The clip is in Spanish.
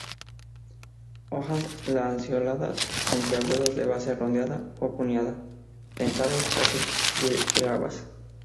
Hojas lanceoladas puntiagudas de base redondeada o cuneada, dentadas, casi glabras.